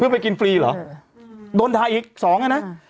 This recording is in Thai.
เพื่อไปกินฟรีหรอโดนทาอีก๒น่ะนะ